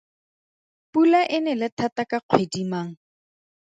Pula e nele thata ka kgwedi mang?